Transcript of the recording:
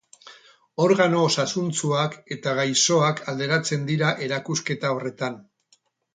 Organo osasuntsuak eta gaixoak alderatzen dira erakusketa horretan.